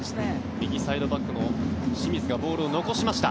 右サイドバックの清水がボールを残しました。